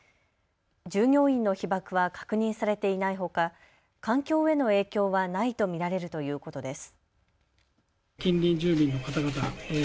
従業員の被ばくは確認されていないほか環境への影響はないと見られるということです。